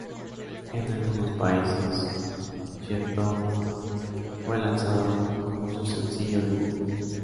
En algunos países "Get Down" fue lanzado como su sencillo debut.